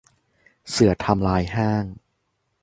เสือทำลายห้าง